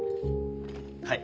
はい。